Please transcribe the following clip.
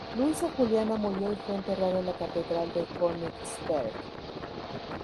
Luisa Juliana murió y fue enterrada en la Catedral de Königsberg.